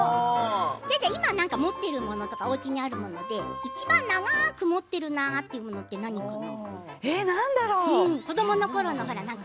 今持っているものとかおうちにあるものでいちばん長く持っているなというものって何かな。